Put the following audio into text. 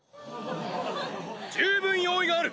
十分用意がある。